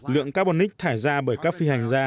lượng carbonic thải ra bởi các phi hành gia